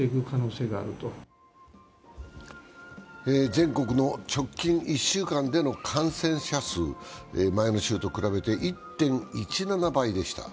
全国の直近１週間での感染者数、前の週と比べて１．１７倍でした。